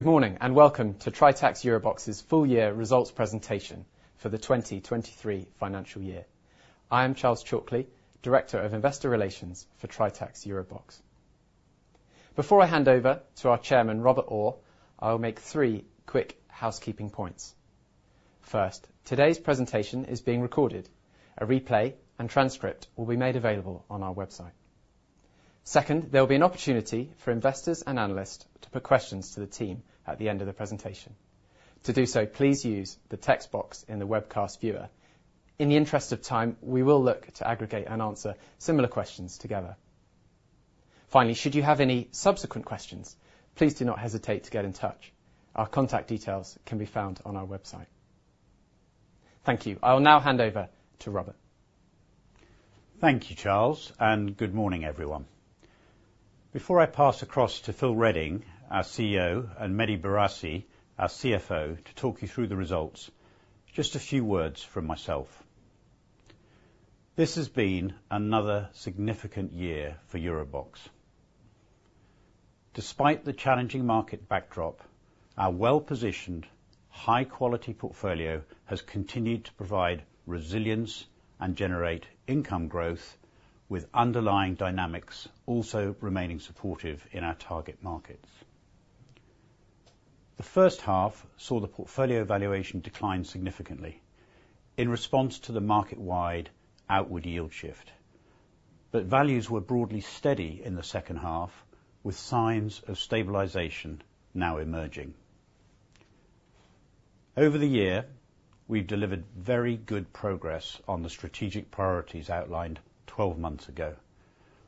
Good morning, and welcome to Tritax EuroBox's full year results presentation for the 2023 financial year. I am Charles Chalkly, Director of Investor Relations for Tritax EuroBox. Before I hand over to our chairman, Robert Orr, I will make three quick housekeeping points. First, today's presentation is being recorded. A replay and transcript will be made available on our website. Second, there will be an opportunity for investors and analysts to put questions to the team at the end of the presentation. To do so, please use the text box in the webcast viewer. In the interest of time, we will look to aggregate and answer similar questions together. Finally, should you have any subsequent questions, please do not hesitate to get in touch. Our contact details can be found on our website. Thank you. I will now hand over to Robert. Thank you, Charles, and good morning, everyone. Before I pass across to Phil Redding, our CEO, and Mehdi Bourassi, our CFO, to talk you through the results, just a few words from myself. This has been another significant year for EuroBox. Despite the challenging market backdrop, our well-positioned, high-quality portfolio has continued to provide resilience and generate income growth, with underlying dynamics also remaining supportive in our target markets. The first half saw the portfolio valuation decline significantly in response to the market-wide outward yield shift, but values were broadly steady in the second half, with signs of stabilization now emerging. Over the year, we've delivered very good progress on the strategic priorities outlined 12 months ago,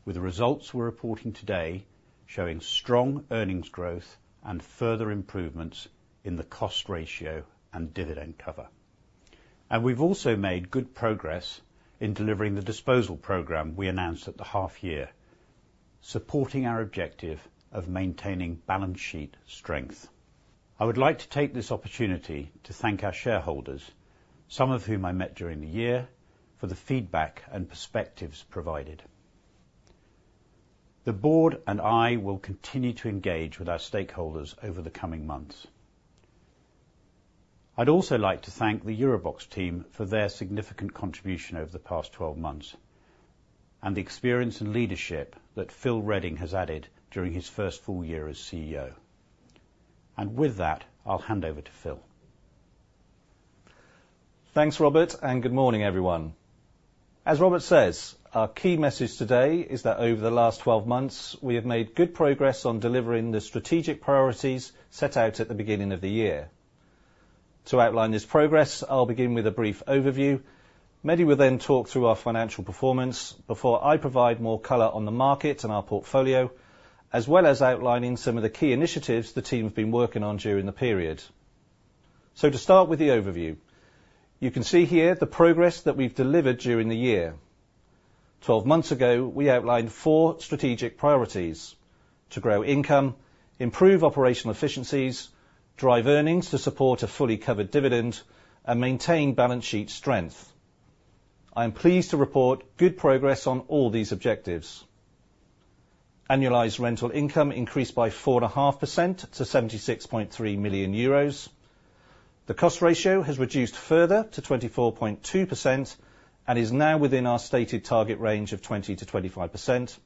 with the results we're reporting today showing strong earnings growth and further improvements in the cost ratio and dividend cover. We've also made good progress in delivering the disposal program we announced at the half year, supporting our objective of maintaining balance sheet strength. I would like to take this opportunity to thank our shareholders, some of whom I met during the year, for the feedback and perspectives provided. The board and I will continue to engage with our stakeholders over the coming months. I'd also like to thank the EuroBox team for their significant contribution over the past 12 months, and the experience and leadership that Phil Redding has added during his first full year as CEO. With that, I'll hand over to Phil. Thanks, Robert, and good morning, everyone. As Robert says, our key message today is that over the last 12 months, we have made good progress on delivering the strategic priorities set out at the beginning of the year. To outline this progress, I'll begin with a brief overview. Mehdi will then talk through our financial performance before I provide more color on the market and our portfolio, as well as outlining some of the key initiatives the team have been working on during the period. So to start with the overview, you can see here the progress that we've delivered during the year. 12 months ago, we outlined four strategic priorities: to grow income, improve operational efficiencies, drive earnings to support a fully covered dividend, and maintain balance sheet strength. I am pleased to report good progress on all these objectives. Annualized rental income increased by 4.5% to 76.3 million euros. The cost ratio has reduced further to 24.2% and is now within our stated target range of 20%-25%.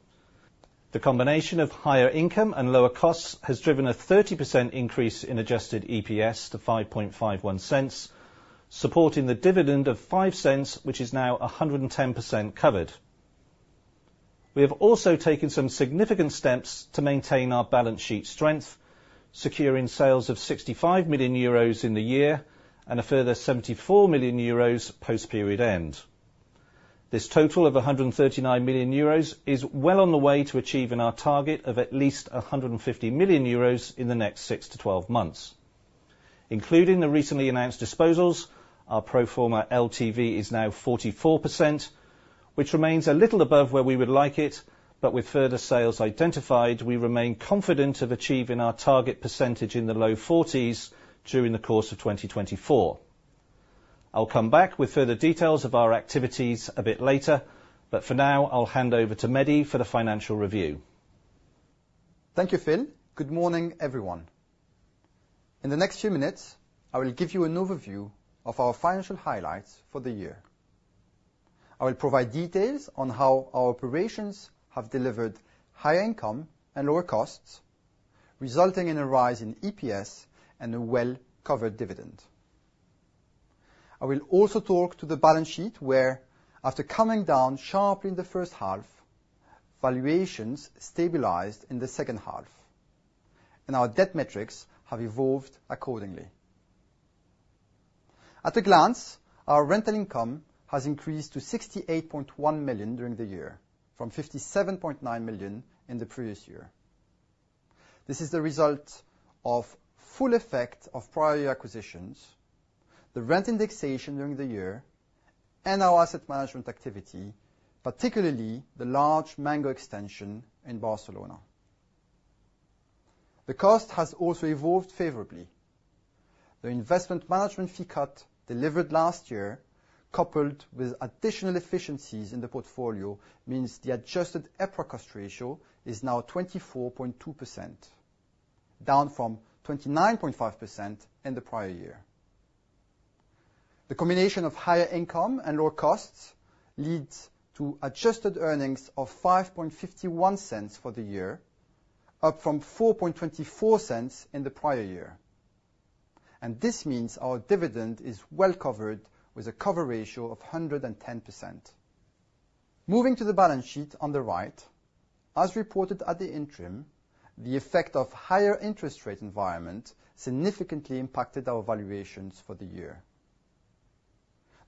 The combination of higher income and lower costs has driven a 30% increase in adjusted EPS to 0.0551, supporting the dividend of 0.05, which is now 110% covered. We have also taken some significant steps to maintain our balance sheet strength, securing sales of 65 million euros in the year, and a further 74 million euros post-period end. This total of 139 million euros is well on the way to achieving our target of at least 150 million euros in the next 6-12 months. Including the recently announced disposals, our pro forma LTV is now 44%, which remains a little above where we would like it, but with further sales identified, we remain confident of achieving our target percentage in the low 40s during the course of 2024. I'll come back with further details of our activities a bit later, but for now, I'll hand over to Mehdi for the financial review. Thank you, Phil. Good morning, everyone. In the next few minutes, I will give you an overview of our financial highlights for the year. I will provide details on how our operations have delivered higher income and lower costs, resulting in a rise in EPS and a well-covered dividend. I will also talk to the balance sheet, where, after coming down sharply in the first half, valuations stabilized in the second half, and our debt metrics have evolved accordingly. At a glance, our rental income has increased to 68.1 million during the year, from 57.9 million in the previous year. This is the result of full effect of prior acquisitions, the rent indexation during the year, and our asset management activity, particularly the large Mango extension in Barcelona. The cost has also evolved favorably-... The investment management fee cut delivered last year, coupled with additional efficiencies in the portfolio, means the Adjusted EPRA cost ratio is now 24.2%, down from 29.5% in the prior year. The combination of higher income and lower costs leads to adjusted earnings of 0.0551 for the year, up from 0.0424 in the prior year. This means our dividend is well covered, with a cover ratio of 110%. Moving to the balance sheet on the right, as reported at the interim, the effect of higher interest rate environment significantly impacted our valuations for the year.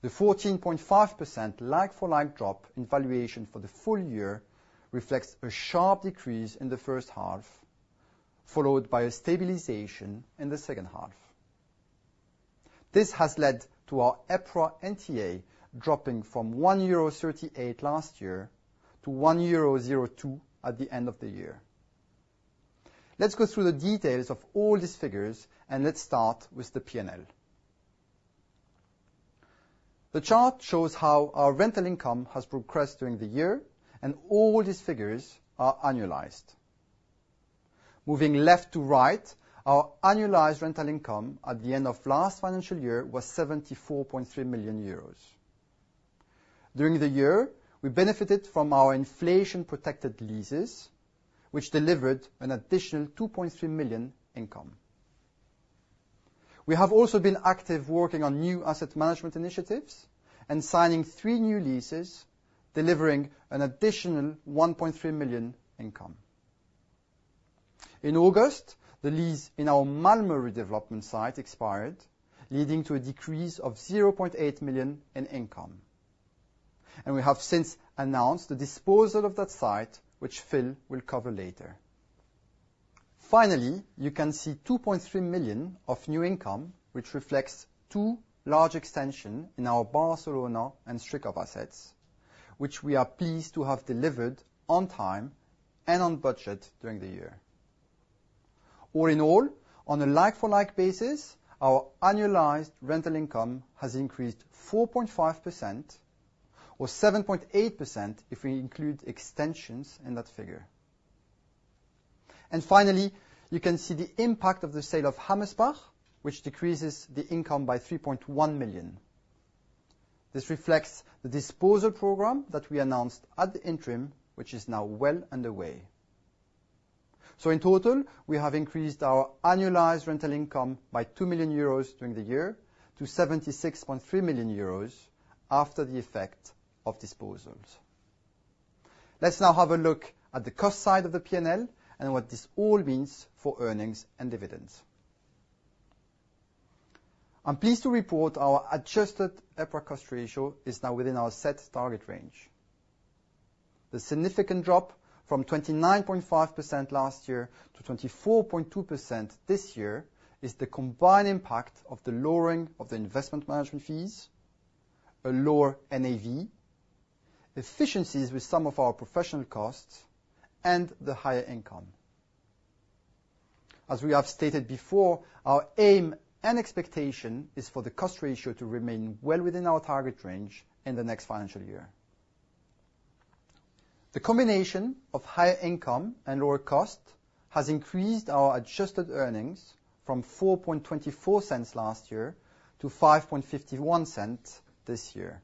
The 14.5% like-for-like drop in valuation for the full year reflects a sharp decrease in the first half, followed by a stabilization in the second half. This has led to our EPRA NTA dropping from 1.38 euro last year to 1.02 euro at the end of the year. Let's go through the details of all these figures, and let's start with the P&L. The chart shows how our rental income has progressed during the year, and all these figures are annualized. Moving left to right, our annualized rental income at the end of last financial year was 74.3 million euros. During the year, we benefited from our inflation-protected leases, which delivered an additional 2.3 million income. We have also been active working on new asset management initiatives and signing three new leases, delivering an additional 1.3 million income. In August, the lease in our Malmö redevelopment site expired, leading to a decrease of 0.8 million in income, and we have since announced the disposal of that site, which Phil will cover later. Finally, you can see 2.3 million of new income, which reflects two large extension in our Barcelona and Stryków assets, which we are pleased to have delivered on time and on budget during the year. All in all, on a like-for-like basis, our annualized rental income has increased 4.5%, or 7.8% if we include extensions in that figure. And finally, you can see the impact of the sale of Hammersbach, which decreases the income by 3.1 million. This reflects the disposal program that we announced at the interim, which is now well underway. In total, we have increased our annualized rental income by 2 million euros during the year to 76.3 million euros after the effect of disposals. Let's now have a look at the cost side of the P&L and what this all means for earnings and dividends. I'm pleased to report our adjusted EPRA cost ratio is now within our set target range. The significant drop from 29.5% last year to 24.2% this year is the combined impact of the lowering of the investment management fees, a lower NAV, efficiencies with some of our professional costs, and the higher income. As we have stated before, our aim and expectation is for the cost ratio to remain well within our target range in the next financial year. The combination of higher income and lower cost has increased our adjusted earnings from 0.0424 last year to 0.0551 this year.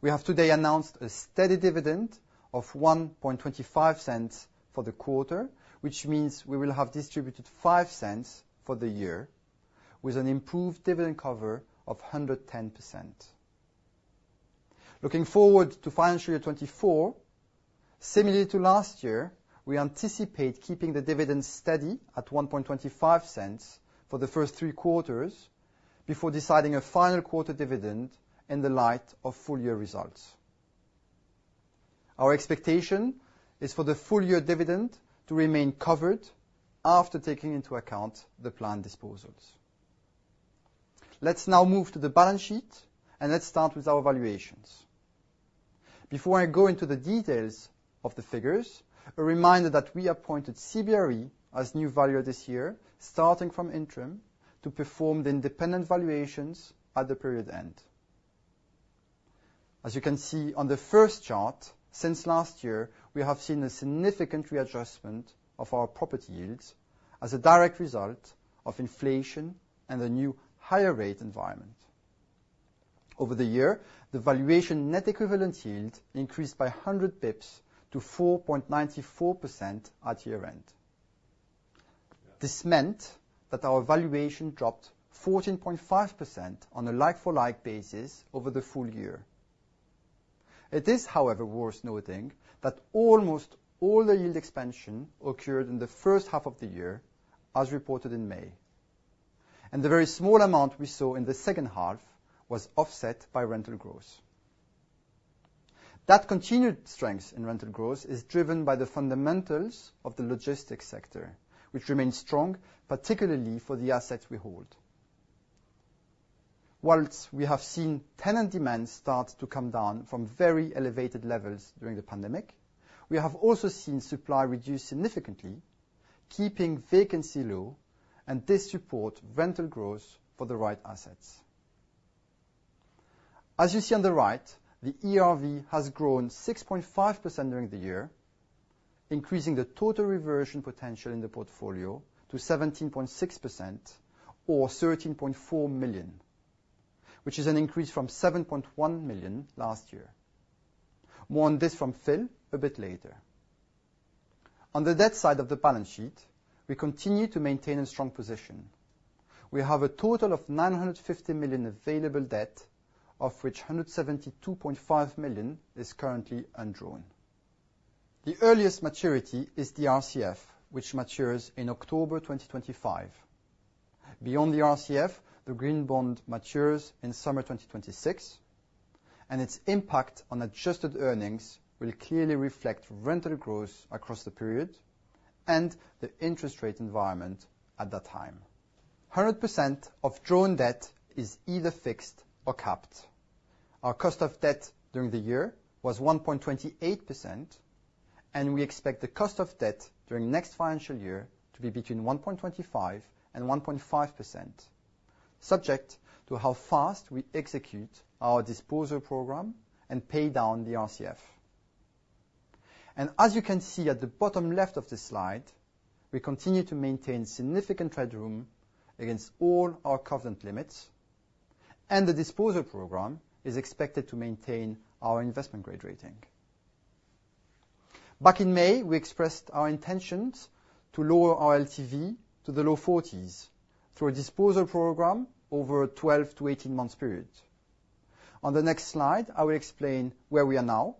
We have today announced a steady dividend of 0.0125 for the quarter, which means we will have distributed 0.05 for the year, with an improved dividend cover of 110%. Looking forward to financial year 2024, similar to last year, we anticipate keeping the dividend steady at 0.0125 for the first three quarters before deciding a final quarter dividend in the light of full year results. Our expectation is for the full year dividend to remain covered after taking into account the planned disposals. Let's now move to the balance sheet, and let's start with our valuations. Before I go into the details of the figures, a reminder that we appointed CBRE as new valuer this year, starting from interim, to perform the independent valuations at the period end. As you can see on the first chart, since last year, we have seen a significant readjustment of our property yields as a direct result of inflation and the new higher rate environment. Over the year, the valuation net equivalent yield increased by 100 basis points to 4.94% at year-end. This meant that our valuation dropped 14.5% on a like-for-like basis over the full year. It is, however, worth noting that almost all the yield expansion occurred in the first half of the year, as reported in May, and the very small amount we saw in the second half was offset by rental growth. That continued strength in rental growth is driven by the fundamentals of the logistics sector, which remain strong, particularly for the assets we hold, whilst we have seen tenant demand start to come down from very elevated levels during the pandemic, we have also seen supply reduce significantly, keeping vacancy low, and this support rental growth for the right assets. As you see on the right, the ERV has grown 6.5% during the year, increasing the total reversion potential in the portfolio to 17.6%, or 13.4 million, which is an increase from 7.1 million last year. More on this from Phil a bit later. On the debt side of the balance sheet, we continue to maintain a strong position. We have a total of 950 million available debt, of which 172.5 million is currently undrawn. The earliest maturity is the RCF, which matures in October 2025. Beyond the RCF, the green bond matures in summer 2026, and its impact on adjusted earnings will clearly reflect rental growth across the period and the interest rate environment at that time. 100% of drawn debt is either fixed or capped. Our cost of debt during the year was 1.28%, and we expect the cost of debt during next financial year to be between 1.25% and 1.5%, subject to how fast we execute our disposal program and pay down the RCF. As you can see at the bottom left of this slide, we continue to maintain significant headroom against all our covenant limits, and the disposal program is expected to maintain our investment grade rating. Back in May, we expressed our intentions to lower our LTV to the low 40s through a disposal program over a 12-18-month period. On the next slide, I will explain where we are now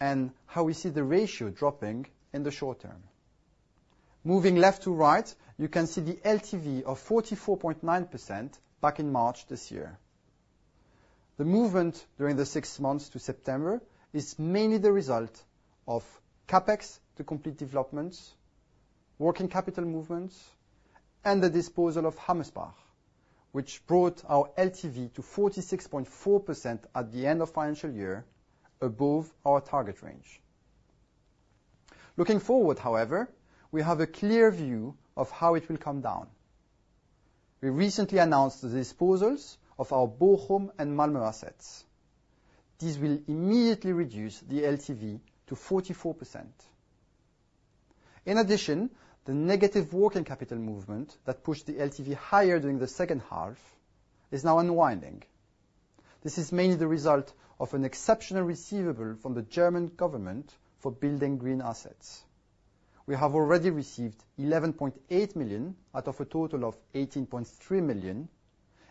and how we see the ratio dropping in the short term. Moving left to right, you can see the LTV of 44.9% back in March this year. The movement during the six months to September is mainly the result of CapEx to complete developments, working capital movements, and the disposal of Hammersbach, which brought our LTV to 46.4% at the end of financial year, above our target range. Looking forward, however, we have a clear view of how it will come down. We recently announced the disposals of our Bochum and Malmö assets. These will immediately reduce the LTV to 44%. In addition, the negative working capital movement that pushed the LTV higher during the second half is now unwinding. This is mainly the result of an exceptional receivable from the German government for building green assets. We have already received 11.8 million out of a total of 18.3 million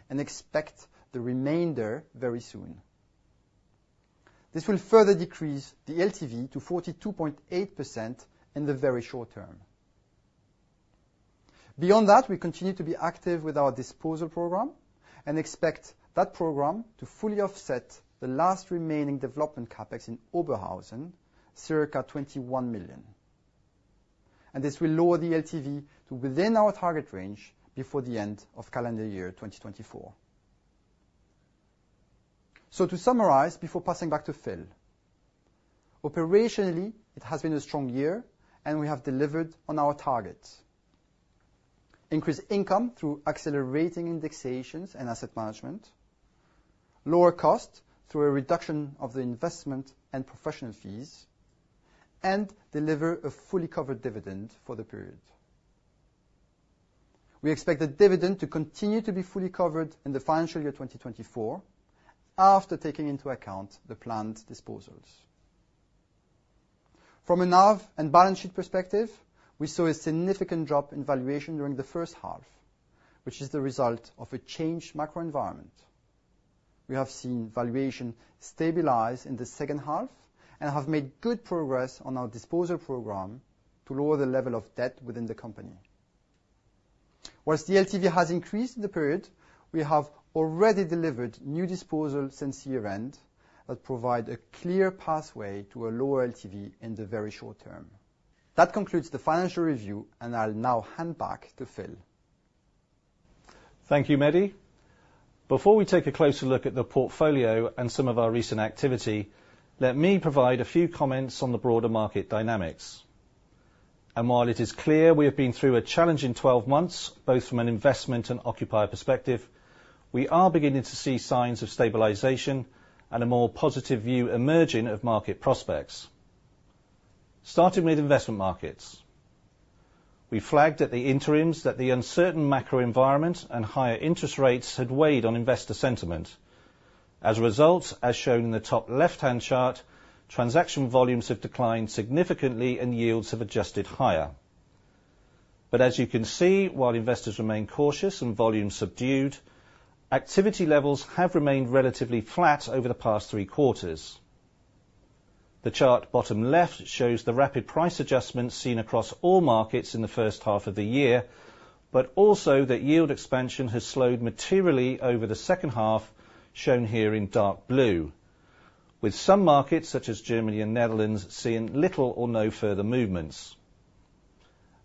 and expect the remainder very soon. This will further decrease the LTV to 42.8% in the very short term. Beyond that, we continue to be active with our disposal program and expect that program to fully offset the last remaining development CapEx in Oberhausen, circa 21 million. And this will lower the LTV to within our target range before the end of calendar year 2024. So to summarize, before passing back to Phil, operationally, it has been a strong year, and we have delivered on our targets. Increased income through accelerating indexations and asset management, lower costs through a reduction of the investment and professional fees, and deliver a fully covered dividend for the period. We expect the dividend to continue to be fully covered in the financial year 2024, after taking into account the planned disposals. From a NAV and balance sheet perspective, we saw a significant drop in valuation during the first half, which is the result of a changed macro environment. We have seen valuation stabilize in the second half and have made good progress on our disposal program to lower the level of debt within the company. While the LTV has increased in the period, we have already delivered new disposals since year-end that provide a clear pathway to a lower LTV in the very short term. That concludes the financial review, and I'll now hand back to Phil. Thank you, Mehdi. Before we take a closer look at the portfolio and some of our recent activity, let me provide a few comments on the broader market dynamics. While it is clear we have been through a challenging 12 months, both from an investment and occupier perspective, we are beginning to see signs of stabilization and a more positive view emerging of market prospects. Starting with investment markets. We flagged at the interims that the uncertain macro environment and higher interest rates had weighed on investor sentiment. As a result, as shown in the top left-hand chart, transaction volumes have declined significantly and yields have adjusted higher. As you can see, while investors remain cautious and volumes subdued, activity levels have remained relatively flat over the past three quarters. The chart bottom left shows the rapid price adjustments seen across all markets in the first half of the year, but also that yield expansion has slowed materially over the second half, shown here in dark blue, with some markets, such as Germany and Netherlands, seeing little or no further movements...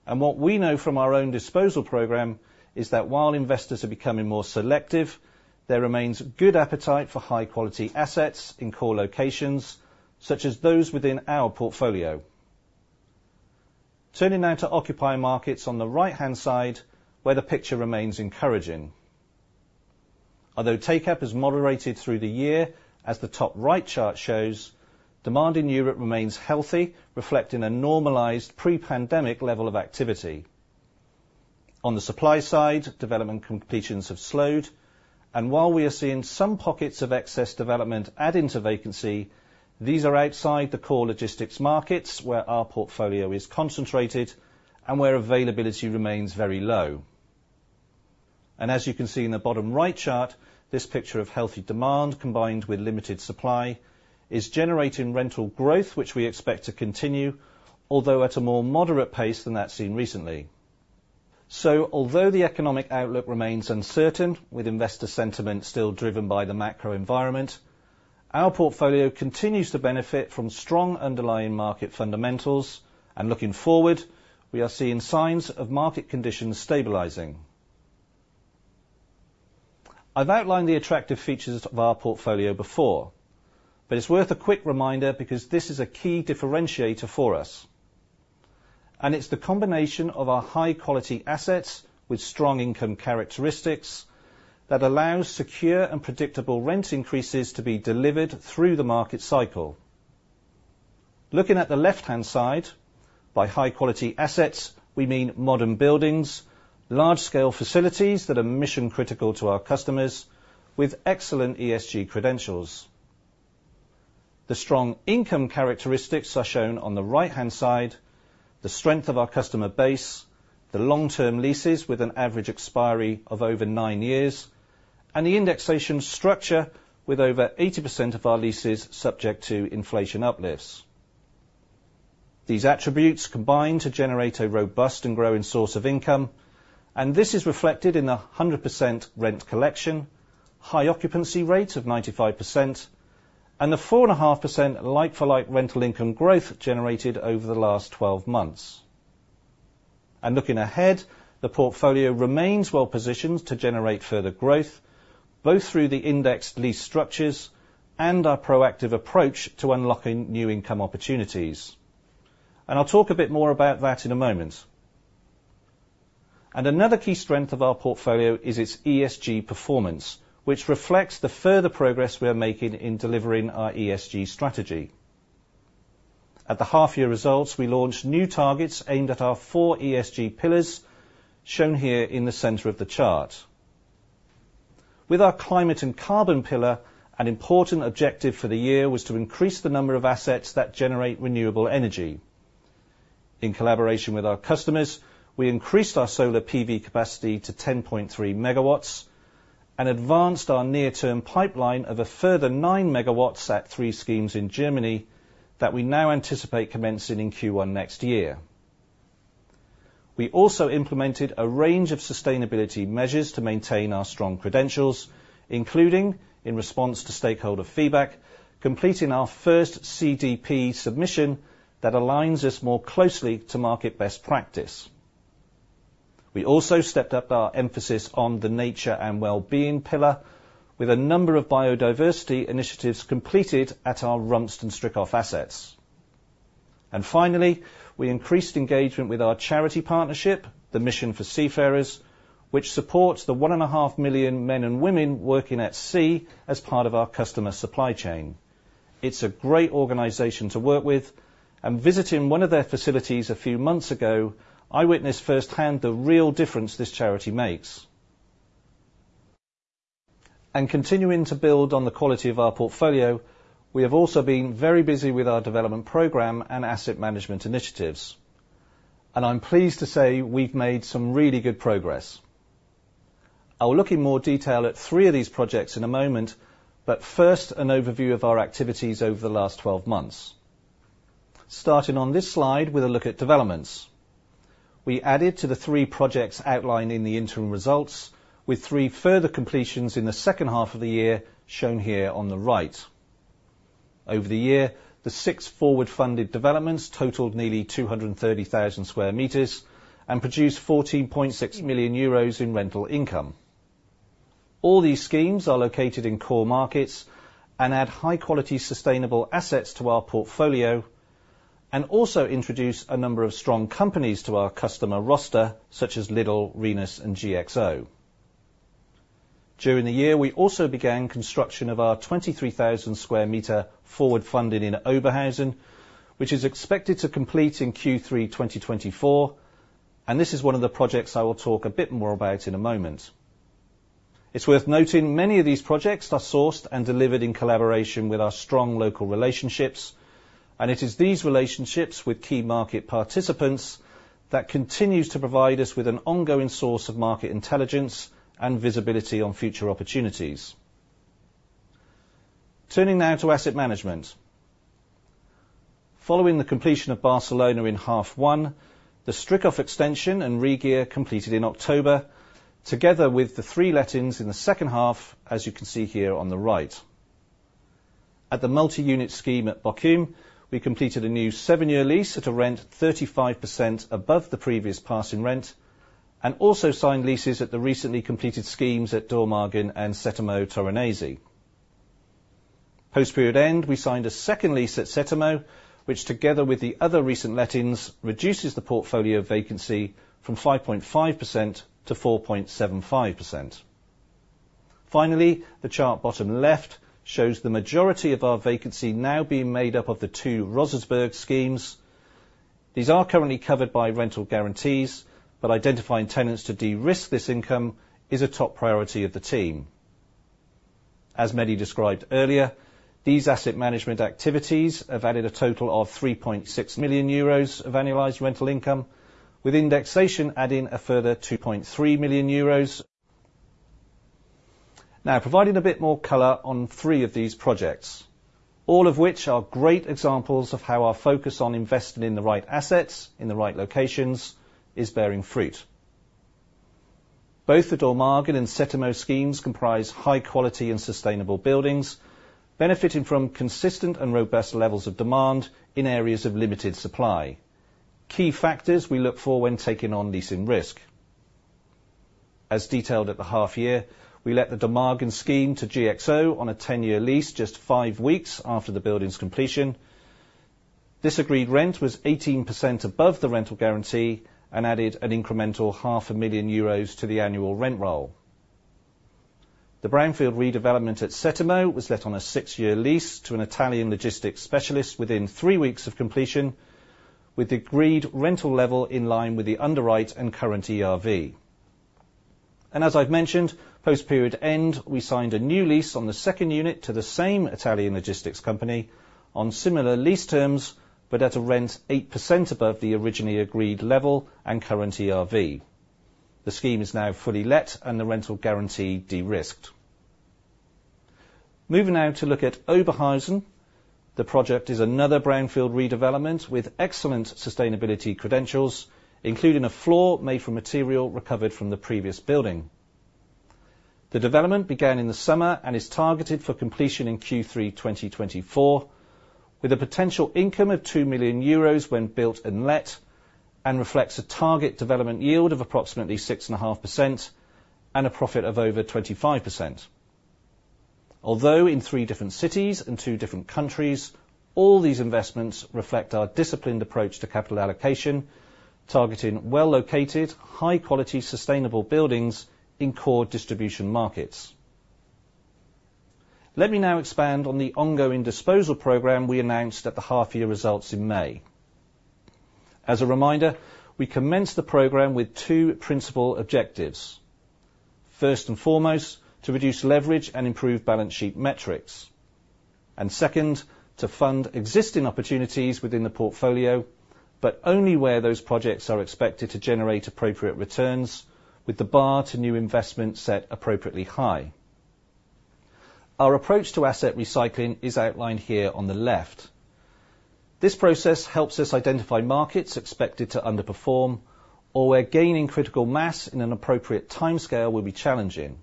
And what we know from our own disposal program is that while investors are becoming more selective, there remains good appetite for high-quality assets in core locations, such as those within our portfolio. Turning now to occupying markets on the right-hand side, where the picture remains encouraging. Although take-up has moderated through the year, as the top right chart shows, demand in Europe remains healthy, reflecting a normalized pre-pandemic level of activity. On the supply side, development completions have slowed, and while we are seeing some pockets of excess development adding to vacancy, these are outside the core logistics markets, where our portfolio is concentrated and where availability remains very low. As you can see in the bottom right chart, this picture of healthy demand, combined with limited supply, is generating rental growth, which we expect to continue, although at a more moderate pace than that seen recently. Although the economic outlook remains uncertain, with investor sentiment still driven by the macro environment, our portfolio continues to benefit from strong underlying market fundamentals. Looking forward, we are seeing signs of market conditions stabilizing. I've outlined the attractive features of our portfolio before, but it's worth a quick reminder, because this is a key differentiator for us. It's the combination of our high-quality assets with strong income characteristics that allows secure and predictable rent increases to be delivered through the market cycle. Looking at the left-hand side, by high-quality assets, we mean modern buildings, large-scale facilities that are mission-critical to our customers, with excellent ESG credentials. The strong income characteristics are shown on the right-hand side, the strength of our customer base, the long-term leases with an average expiry of over nine years, and the indexation structure with over 80% of our leases subject to inflation uplifts. These attributes combine to generate a robust and growing source of income, and this is reflected in 100% rent collection, high occupancy rate of 95%, and the 4.5% like-for-like rental income growth generated over the last 12 months. Looking ahead, the portfolio remains well-positioned to generate further growth, both through the indexed lease structures and our proactive approach to unlocking new income opportunities, and I'll talk a bit more about that in a moment. Another key strength of our portfolio is its ESG performance, which reflects the further progress we are making in delivering our ESG strategy. At the half year results, we launched new targets aimed at our four ESG pillars, shown here in the center of the chart. With our climate and carbon pillar, an important objective for the year was to increase the number of assets that generate renewable energy. In collaboration with our customers, we increased our Solar PV capacity to 10.3 MW, and advanced our near-term pipeline of a further nine megawatts at three schemes in Germany, that we now anticipate commencing in Q1 next year. We also implemented a range of sustainability measures to maintain our strong credentials, including, in response to stakeholder feedback, completing our first CDP submission that aligns us more closely to market best practice. We also stepped up our emphasis on the nature and well-being pillar, with a number of biodiversity initiatives completed at our Rumst and Stryków assets. And finally, we increased engagement with our charity partnership, the Mission to Seafarers, which supports the 1.5 million men and women working at sea as part of our customer supply chain. It's a great organization to work with, and visiting one of their facilities a few months ago, I witnessed firsthand the real difference this charity makes. Continuing to build on the quality of our portfolio, we have also been very busy with our development program and asset management initiatives, and I'm pleased to say we've made some really good progress. I will look in more detail at three of these projects in a moment, but first, an overview of our activities over the last 12 months. Starting on this slide with a look at developments. We added to the three projects outlined in the interim results, with three further completions in the second half of the year, shown here on the right. Over the year, the six forward-funded developments totaled nearly 230,000 square meters and produced 40.6 million euros in rental income. All these schemes are located in core markets and add high-quality, sustainable assets to our portfolio, and also introduce a number of strong companies to our customer roster, such as Lidl, Rhenus, and GXO. During the year, we also began construction of our 23,000 square meter forward funding in Oberhausen, which is expected to complete in Q3 2024, and this is one of the projects I will talk a bit more about in a moment. It's worth noting, many of these projects are sourced and delivered in collaboration with our strong local relationships, and it is these relationships with key market participants that continues to provide us with an ongoing source of market intelligence and visibility on future opportunities. Turning now to asset management. Following the completion of Barcelona in half one, the Stryków extension and regear completed in October, together with the three lettings in the second half, as you can see here on the right.... At the multi-unit scheme at Bochum, we completed a new seven-year lease at a rent 35% above the previous passing rent, and also signed leases at the recently completed schemes at Dormagen and Settimo Torinese. Post-period end, we signed a second lease at Settimo, which, together with the other recent lettings, reduces the portfolio vacancy from 5.5% to 4.75%. Finally, the chart bottom left shows the majority of our vacancy now being made up of the two Rosersberg schemes. These are currently covered by rental guarantees, but identifying tenants to de-risk this income is a top priority of the team. As Mehdi described earlier, these asset management activities have added a total of 3.6 million euros of annualized rental income, with indexation adding a further 2.3 million euros. Now, providing a bit more color on three of these projects, all of which are great examples of how our focus on investing in the right assets, in the right locations, is bearing fruit. Both the Dormagen and Settimo schemes comprise high quality and sustainable buildings, benefiting from consistent and robust levels of demand in areas of limited supply, key factors we look for when taking on leasing risk. As detailed at the half year, we let the Dormagen scheme to GXO on a 10-year lease, just five weeks after the building's completion. This agreed rent was 18% above the rental guarantee and added an incremental 0.5 million euros to the annual rent roll. The brownfield redevelopment at Settimo was let on a six-year lease to an Italian logistics specialist within three weeks of completion, with the agreed rental level in line with the underwrite and current ERV. And as I've mentioned, post-period end, we signed a new lease on the second unit to the same Italian logistics company on similar lease terms, but at a rent 8% above the originally agreed level and current ERV. The scheme is now fully let and the rental guarantee de-risked. Moving now to look at Oberhausen. The project is another brownfield redevelopment with excellent sustainability credentials, including a floor made from material recovered from the previous building. The development began in the summer and is targeted for completion in Q3 2024, with a potential income of 2 million euros when built and let, and reflects a target development yield of approximately 6.5% and a profit of over 25%. Although in three different cities and two different countries, all these investments reflect our disciplined approach to capital allocation, targeting well-located, high-quality, sustainable buildings in core distribution markets. Let me now expand on the ongoing disposal program we announced at the half-year results in May. As a reminder, we commenced the program with two principal objectives. First and foremost, to reduce leverage and improve balance sheet metrics, and second, to fund existing opportunities within the portfolio, but only where those projects are expected to generate appropriate returns, with the bar to new investments set appropriately high. Our approach to asset recycling is outlined here on the left. This process helps us identify markets expected to underperform, or where gaining critical mass in an appropriate timescale will be challenging.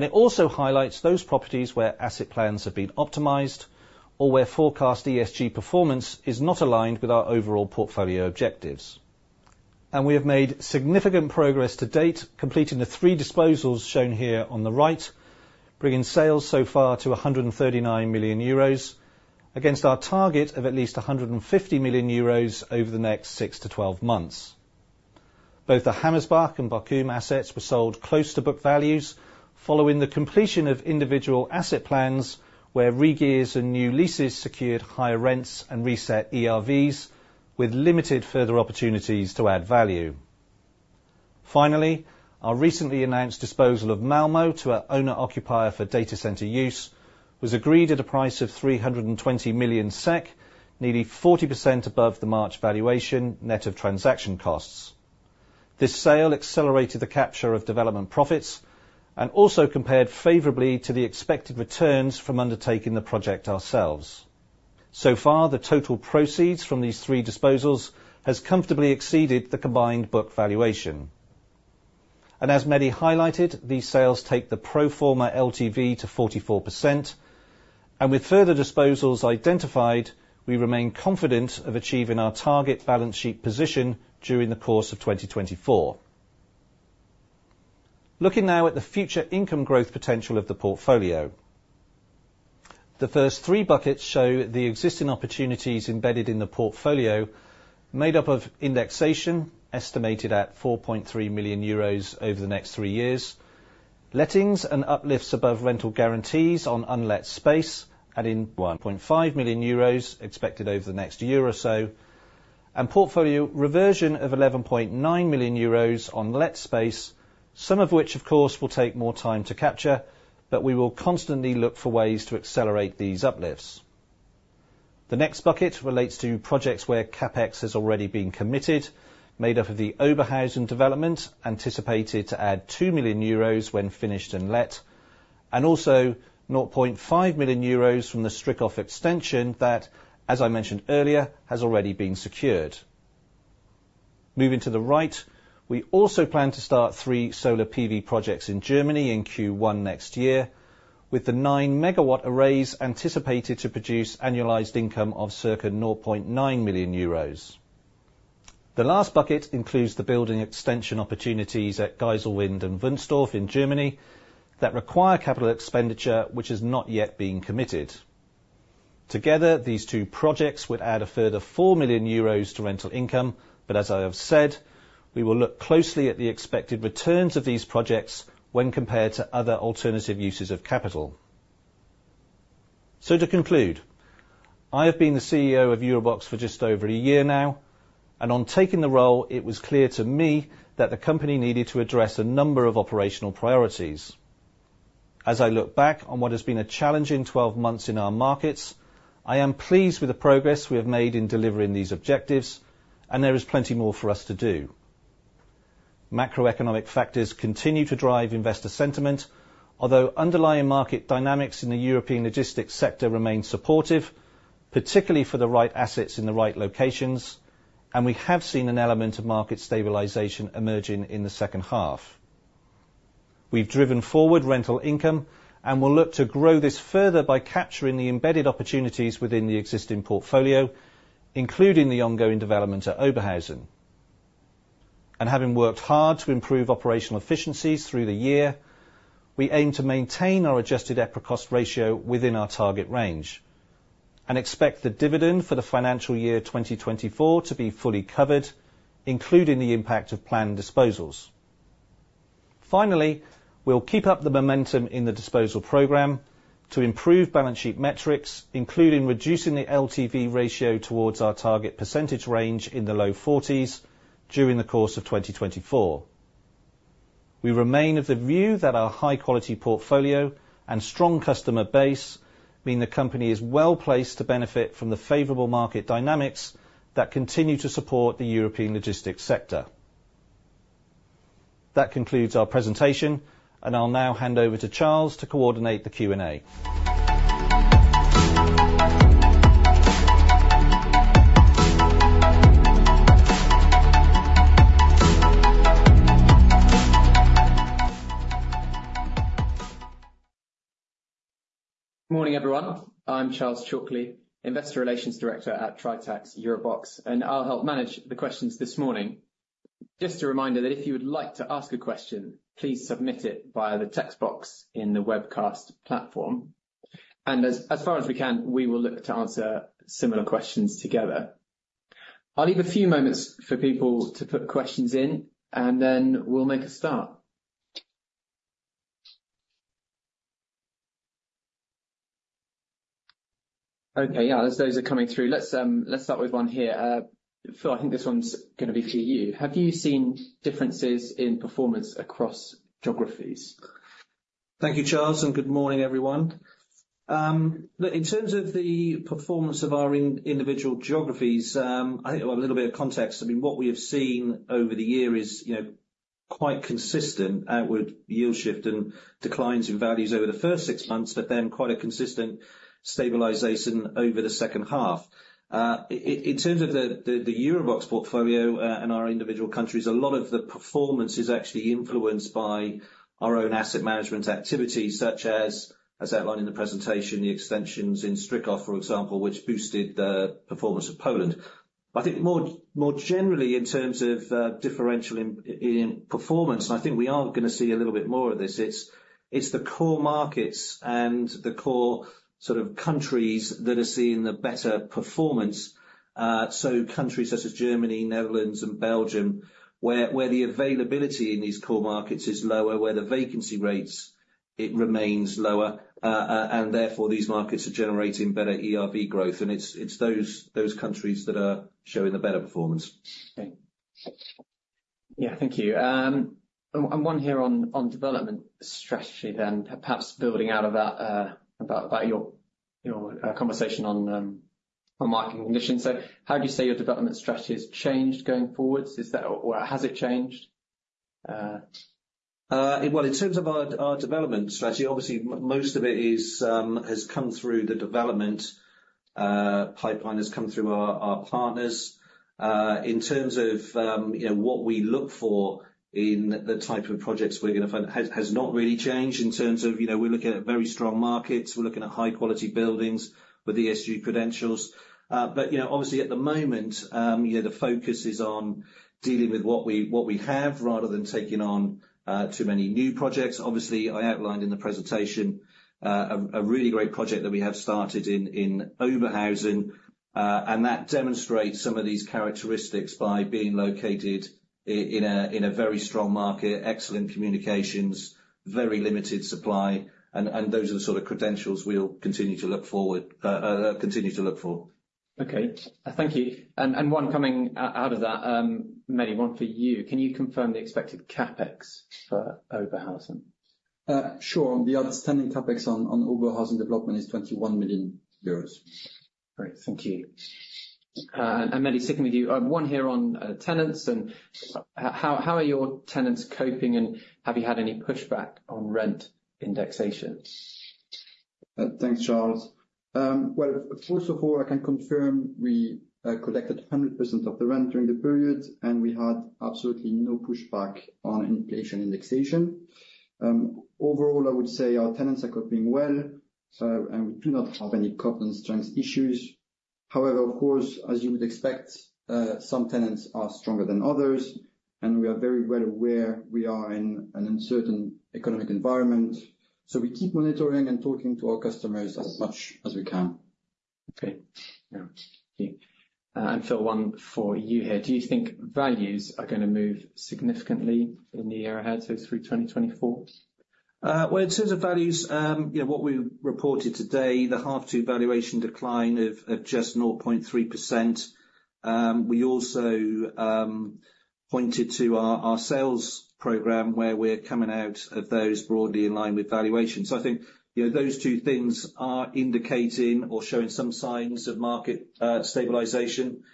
It also highlights those properties where asset plans have been optimized, or where forecast ESG performance is not aligned with our overall portfolio objectives. We have made significant progress to date, completing the three disposals shown here on the right, bringing sales so far to 139 million euros, against our target of at least 150 million euros over the next 6-12 months. Both the Hammersbach and Bochum assets were sold close to book values, following the completion of individual asset plans, where regears and new leases secured higher rents and reset ERVs, with limited further opportunities to add value. Finally, our recently announced disposal of Malmö to our owner-occupier for data center use was agreed at a price of 320 million SEK, nearly 40% above the March valuation, net of transaction costs. This sale accelerated the capture of development profits and also compared favorably to the expected returns from undertaking the project ourselves. So far, the total proceeds from these three disposals has comfortably exceeded the combined book valuation. And as Mehdi highlighted, these sales take the pro forma LTV to 44%, and with further disposals identified, we remain confident of achieving our target balance sheet position during the course of 2024. Looking now at the future income growth potential of the portfolio. The first three buckets show the existing opportunities embedded in the portfolio, made up of indexation, estimated at 4.3 million euros over the next three years, lettings and uplifts above rental guarantees on unlet space, adding 1.5 million euros expected over the next year or so, and portfolio reversion of 11.9 million euros on let space, some of which, of course, will take more time to capture, but we will constantly look for ways to accelerate these uplifts. The next bucket relates to projects where CapEx has already been committed, made up of the Oberhausen development, anticipated to add 2 million euros when finished and let, and also 0.5 million euros from the Stryków extension that, as I mentioned earlier, has already been secured.... Moving to the right, we also plan to start three solar PV projects in Germany in Q1 next year, with the 9 MW arrays anticipated to produce annualized income of circa 0.9 million euros. The last bucket includes the building extension opportunities at Geiselwind and Wunstorf in Germany that require capital expenditure, which has not yet been committed. Together, these two projects would add a further 4 million euros to rental income, but as I have said, we will look closely at the expected returns of these projects when compared to other alternative uses of capital. To conclude, I have been the CEO of EuroBox for just over a year now, and on taking the role, it was clear to me that the company needed to address a number of operational priorities. As I look back on what has been a challenging 12 months in our markets, I am pleased with the progress we have made in delivering these objectives, and there is plenty more for us to do. Macroeconomic factors continue to drive investor sentiment, although underlying market dynamics in the European logistics sector remain supportive, particularly for the right assets in the right locations, and we have seen an element of market stabilization emerging in the second half. We've driven forward rental income and will look to grow this further by capturing the embedded opportunities within the existing portfolio, including the ongoing development at Oberhausen. Having worked hard to improve operational efficiencies through the year, we aim to maintain our adjusted EPRA cost ratio within our target range, and expect the dividend for the financial year 2024 to be fully covered, including the impact of planned disposals. Finally, we'll keep up the momentum in the disposal program to improve balance sheet metrics, including reducing the LTV ratio towards our target percentage range in the low 40s during the course of 2024. We remain of the view that our high-quality portfolio and strong customer base mean the company is well placed to benefit from the favorable market dynamics that continue to support the European logistics sector. That concludes our presentation, and I'll now hand over to Charles to coordinate the Q&A. Good morning, everyone. I'm Charles Chalkly, Investor Relations Director at Tritax EuroBox, and I'll help manage the questions this morning. Just a reminder that if you would like to ask a question, please submit it via the text box in the webcast platform, and as far as we can, we will look to answer similar questions together. I'll leave a few moments for people to put questions in, and then we'll make a start. Okay, yeah, as those are coming through, let's start with one here. Phil, I think this one's gonna be for you. Have you seen differences in performance across geographies? Thank you, Charles, and good morning, everyone. Look, in terms of the performance of our individual geographies, I think a little bit of context, I mean, what we have seen over the year is, you know, quite consistent outward yield shift and declines in values over the first six months, but then quite a consistent stabilization over the second half. In terms of the EuroBox portfolio, and our individual countries, a lot of the performance is actually influenced by our own asset management activities, such as, as outlined in the presentation, the extensions in Stryków, for example, which boosted the performance of Poland. But I think more generally, in terms of differential in performance, and I think we are gonna see a little bit more of this, it's the core markets and the core sort of countries that are seeing the better performance. So countries such as Germany, Netherlands, and Belgium, where the availability in these core markets is lower, where the vacancy rates it remains lower, and therefore, these markets are generating better ERV growth, and it's those countries that are showing the better performance. Okay. Yeah, thank you. And one here on development strategy then, perhaps building out of that, about your conversation on market conditions. So how do you say your development strategy has changed going forward? Is that or has it changed? Well, in terms of our development strategy, obviously most of it is, has come through the development pipeline, has come through our partners. In terms of, you know, what we look for in the type of projects we're gonna fund has not really changed in terms of, you know, we're looking at very strong markets. We're looking at high-quality buildings with ESG credentials. But you know, obviously at the moment, you know, the focus is on dealing with what we have, rather than taking on too many new projects. Obviously, I outlined in the presentation a really great project that we have started in Oberhausen, and that demonstrates some of these characteristics by being located in a very strong market, excellent communications, very limited supply, and those are the sort of credentials we'll continue to look for. Okay, thank you. And one coming out of that, Mehdi, one for you. Can you confirm the expected CapEx for Oberhausen? Sure. The outstanding CapEx on Oberhausen development is 21 million euros. Great, thank you. And Mehdi, sticking with you, I have one here on tenants, and how are your tenants coping, and have you had any pushback on rent indexation?... Thanks, Charles. Well, first of all, I can confirm we collected 100% of the rent during the period, and we had absolutely no pushback on inflation indexation. Overall, I would say our tenants are coping well, so, and we do not have any covenant strength issues. However, of course, as you would expect, some tenants are stronger than others, and we are very well aware we are in an uncertain economic environment, so we keep monitoring and talking to our customers as much as we can. Okay. Yeah. Thank you. And Phil, one for you here: do you think values are going to move significantly in the year ahead, so through 2024? Well, in terms of values, yeah, what we reported today, the half two valuation decline of just 0.3%. We also pointed to our sales program, where we're coming out of those broadly in line with valuations. So I think, you know, those two things are indicating or showing some signs of market stabilization.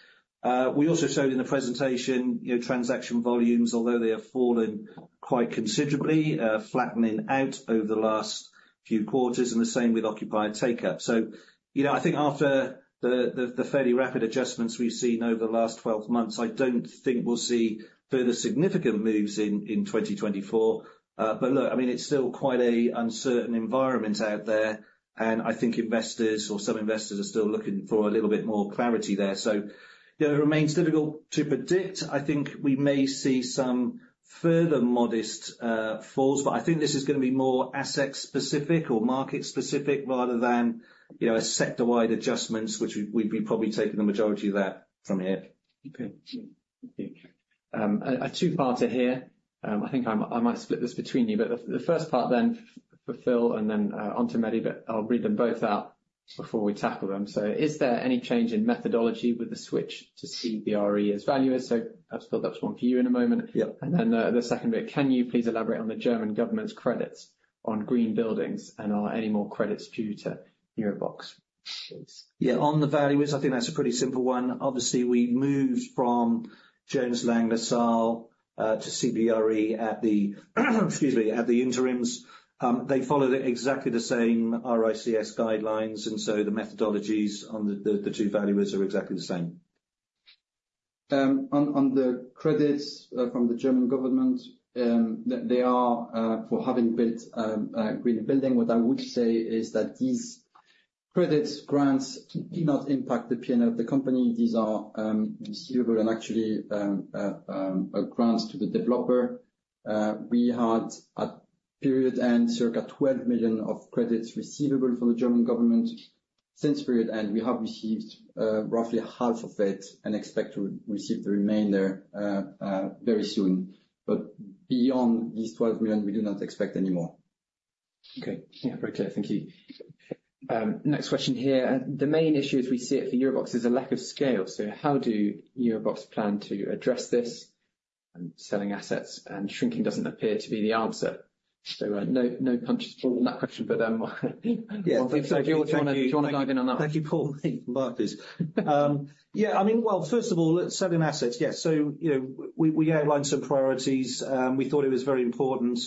We also showed in the presentation, you know, transaction volumes, although they have fallen quite considerably, flattening out over the last few quarters, and the same with occupied take-up. So, you know, I think after the fairly rapid adjustments we've seen over the last 12 months, I don't think we'll see further significant moves in 2024. But look, I mean, it's still quite a uncertain environment out there, and I think investors or some investors are still looking for a little bit more clarity there. So, you know, it remains difficult to predict. I think we may see some further modest falls, but I think this is going to be more asset specific or market specific rather than, you know, a sector-wide adjustments, which we'd be probably taking the majority of that from here. Okay. A two-parter here. I think I might split this between you, but the first part then for Phil and then on to Mehdi, but I'll read them both out before we tackle them. So is there any change in methodology with the switch to CBRE as valuer? So that's, Phil, that's one for you in a moment. Yeah. Then, the second bit, can you please elaborate on the German government's credits on green buildings, and are any more credits due to EuroBox? Yeah, on the valuers, I think that's a pretty simple one. Obviously, we moved from Jones Lang LaSalle to CBRE at the, excuse me, at the interims. They followed exactly the same RICS guidelines, and so the methodologies on the two valuers are exactly the same. On the credits from the German government, they are for having built a green building. What I would say is that these credits, grants, do not impact the P&L of the company. These are receivable and actually a grant to the developer. We had, at period end, circa 12 million of credits receivable from the German government. Since period end, we have received roughly half of it and expect to receive the remainder very soon, but beyond these 12 million, we do not expect any more. Okay. Yeah, very clear. Thank you. Next question here. The main issue as we see it for EuroBox is a lack of scale, so how do EuroBox plan to address this? Selling assets and shrinking doesn't appear to be the answer. So, no, no punches drawn on that question, but, Yeah. If you want to, do you want to dive in on that? Thank you for all these. Yeah, I mean, well, first of all, selling assets. Yes. So, you know, we outlined some priorities. We thought it was very important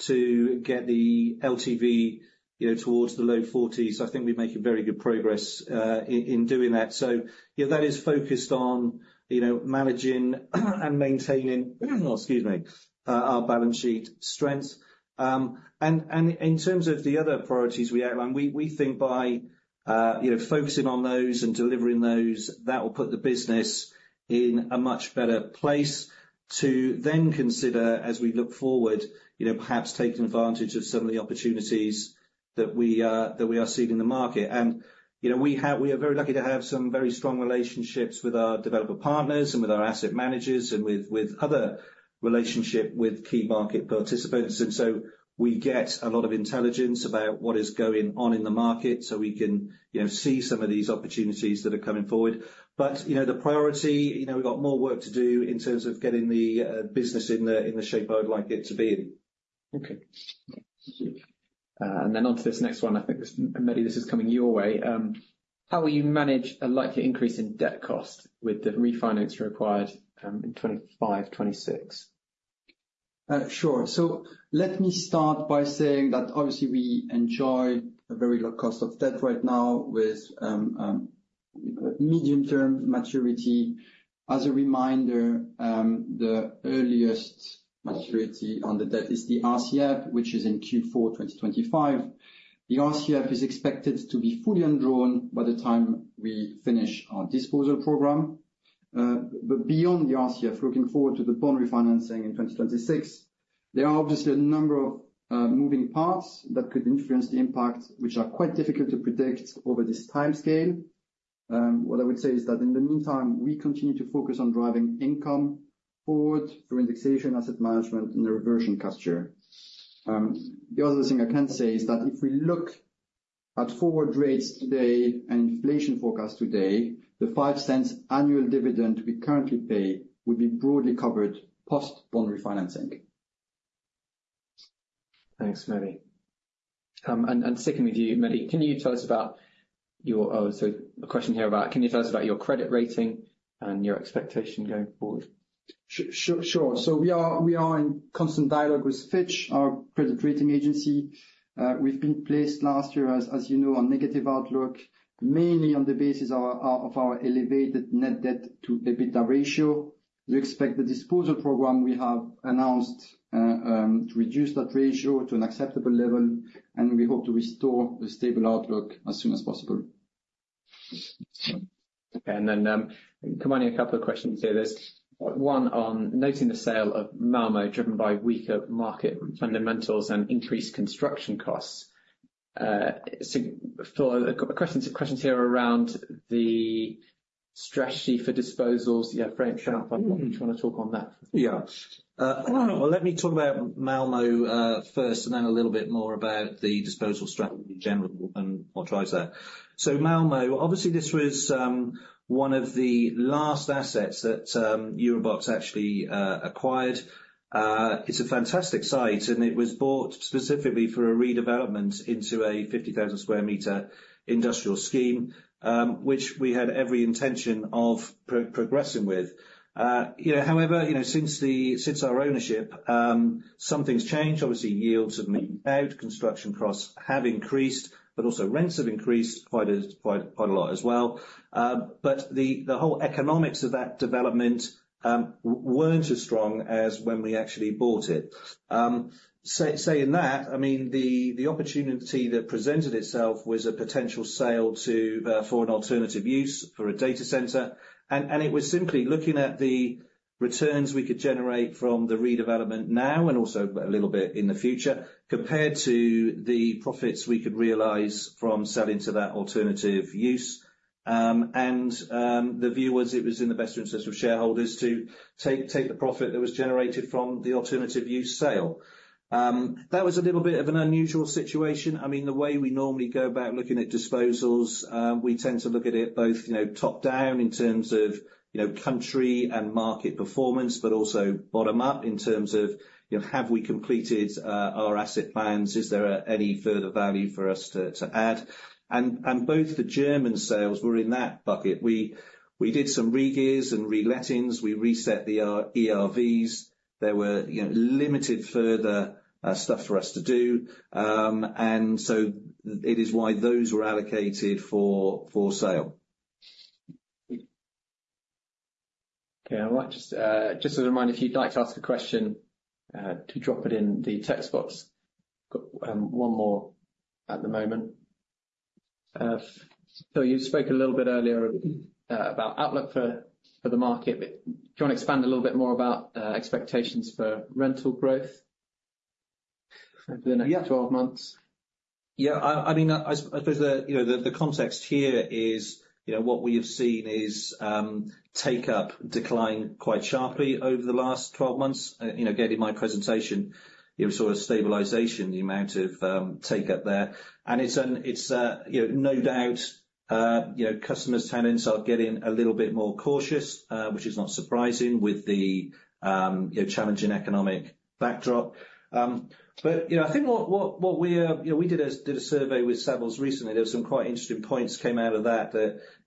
to get the LTV, you know, towards the low forties. I think we're making very good progress in doing that. So, you know, that is focused on, you know, managing and maintaining, excuse me, our balance sheet strength. And in terms of the other priorities we outlined, we think by, you know, focusing on those and delivering those, that will put the business in a much better place to then consider, as we look forward, you know, perhaps taking advantage of some of the opportunities that we are seeing in the market. You know, we have we are very lucky to have some very strong relationships with our developer partners and with our asset managers and with, with other relationship with key market participants, and so we get a lot of intelligence about what is going on in the market so we can, you know, see some of these opportunities that are coming forward. But, you know, the priority, you know, we've got more work to do in terms of getting the business in the shape I would like it to be in. Okay. And then on to this next one. I think this, Mehdi, this is coming your way. How will you manage a likely increase in debt cost with the refinance required, in 2025, 2026? Sure. So let me start by saying that obviously we enjoy a very low cost of debt right now with medium-term maturity. As a reminder, the earliest maturity on the debt is the RCF, which is in Q4 2025. The RCF is expected to be fully undrawn by the time we finish our disposal program. But beyond the RCF, looking forward to the bond refinancing in 2026, there are obviously a number of moving parts that could influence the impact, which are quite difficult to predict over this time scale. What I would say is that in the meantime, we continue to focus on driving income forward through indexation, asset management, and the reversion capture. The other thing I can say is that if we look at forward rates today and inflation forecast today, the 0.05 annual dividend we currently pay would be broadly covered post-bond refinancing. Thanks, Mehdi. And sticking with you, Mehdi, can you tell us about your credit rating and your expectation going forward?... Sure. So we are in constant dialogue with Fitch, our credit rating agency. We've been placed last year, as you know, on negative outlook, mainly on the basis of our elevated net debt to EBITDA ratio. We expect the disposal program we have announced to reduce that ratio to an acceptable level, and we hope to restore a stable outlook as soon as possible. Okay, and then, combining a couple of questions here. There's one on noting the sale of Malmö, driven by weaker market fundamentals and increased construction costs. So Phil, a couple questions here around the strategy for disposals. Yeah, Phil, do you want to talk on that? Yeah. Well, let me talk about Malmö, first, and then a little bit more about the disposal strategy in general and what drives that. So Malmö, obviously, this was one of the last assets that Eurobox actually acquired. It's a fantastic site, and it was bought specifically for a redevelopment into a 50,000 square meter industrial scheme, which we had every intention of progressing with. You know, however, you know, since the—since our ownership, some things changed. Obviously, yields have been out, construction costs have increased, but also rents have increased quite a, quite, quite a lot as well. But the whole economics of that development weren't as strong as when we actually bought it. Saying that, I mean, the opportunity that presented itself was a potential sale to for an alternative use for a data center. And it was simply looking at the returns we could generate from the redevelopment now, and also a little bit in the future, compared to the profits we could realize from selling to that alternative use. The view was it was in the best interest of shareholders to take the profit that was generated from the alternative use sale. That was a little bit of an unusual situation. I mean, the way we normally go about looking at disposals, we tend to look at it both, you know, top-down in terms of, you know, country and market performance, but also bottom-up in terms of, you know, have we completed our asset plans? Is there any further value for us to add? And both the German sales were in that bucket. We did some regears and relettings. We reset the ERVs. There were, you know, limited further stuff for us to do. And so it is why those were allocated for sale. Okay, I might just, just as a reminder, if you'd like to ask a question, to drop it in the text box. Got, one more at the moment. So you spoke a little bit earlier, about outlook for the market, but do you want to expand a little bit more about, expectations for rental growth for the next twelve months? Yeah, I mean, I suppose the context here is, you know, what we have seen is take up decline quite sharply over the last 12 months. You know, again, in my presentation, you know, sort of stabilization, the amount of take up there. And it's a, you know, no doubt, you know, customers, tenants are getting a little bit more cautious, which is not surprising with the, you know, challenging economic backdrop. But, you know, I think what we are- You know, we did a survey with Savills recently. There were some quite interesting points came out of that,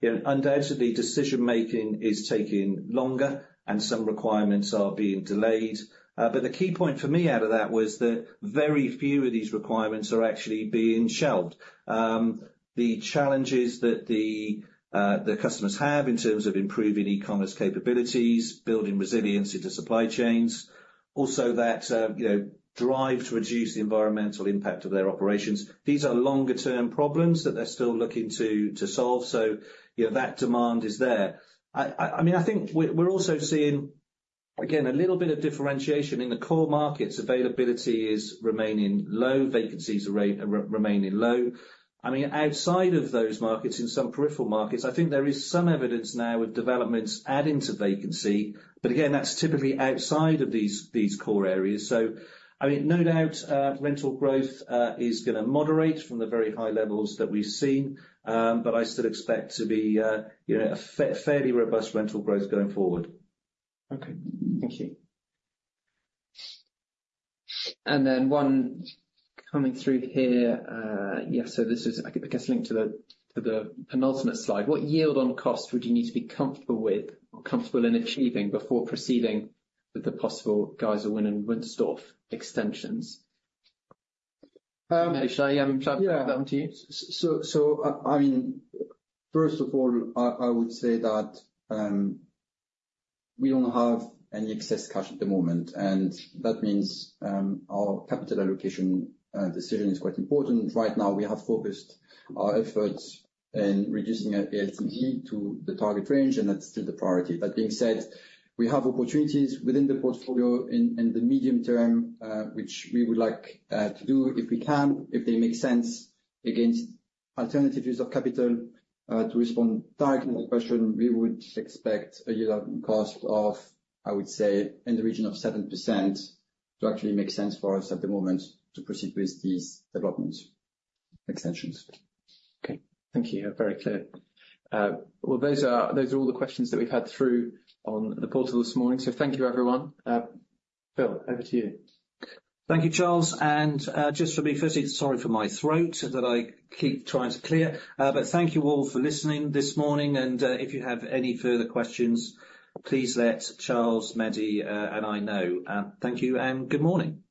you know, undoubtedly decision-making is taking longer and some requirements are being delayed. But the key point for me out of that was that very few of these requirements are actually being shelved. The challenges that the customers have in terms of improving e-commerce capabilities, building resiliency to supply chains, also that, you know, drive to reduce the environmental impact of their operations. These are longer-term problems that they're still looking to solve. So, you know, that demand is there. I mean, I think we're also seeing, again, a little bit of differentiation. In the core markets, availability is remaining low, vacancies are remaining low. I mean, outside of those markets, in some peripheral markets, I think there is some evidence now with developments adding to vacancy, but again, that's typically outside of these core areas. I mean, no doubt, rental growth is gonna moderate from the very high levels that we've seen. But I still expect to be, you know, a fairly robust rental growth going forward. Okay. Thank you. And then one coming through here. Yes, so this is, I guess, linked to the, to the penultimate slide. What yield on cost would you need to be comfortable with or comfortable in achieving before proceeding with the possible Geiselwind and Wunstorf extensions? Shall I hand over to you? Yeah. So, I mean, first of all, I would say that, we don't have any excess cash at the moment, and that means, our capital allocation decision is quite important. Right now, we have focused our efforts in reducing our LCT to the target range, and that's still the priority. That being said, we have opportunities within the portfolio in the medium term, which we would like to do if we can, if they make sense against alternative use of capital. To respond directly to the question, we would expect a yield cost of, I would say, in the region of 7% to actually make sense for us at the moment to proceed with these developments extensions. Okay. Thank you. Very clear. Well, those are, those are all the questions that we've had through on the portal this morning. So thank you, everyone. Phil, over to you. Thank you, Charles, and just briefly, firstly, sorry for my throat that I keep trying to clear, but thank you all for listening this morning, and if you have any further questions, please let Charles, Maddie, and I know. Thank you and good morning.